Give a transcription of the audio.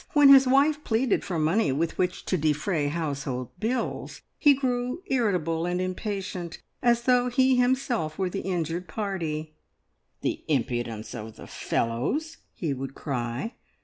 When his wife pleaded for money with which to defray household bills, he grew irritable and impatient, as though he himself were the injured party. "The impudence of the fellows!" he would cry.